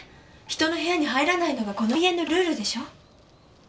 人の部屋に入らないのがこの家のルールでしょう。